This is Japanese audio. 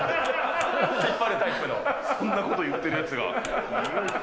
そんなこと言ってるやつが。